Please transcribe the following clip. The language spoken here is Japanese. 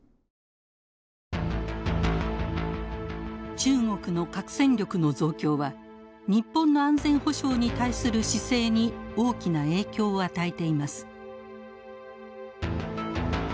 中国の核戦力の増強は日本の安全保障に対する姿勢に大きな影響を与えています。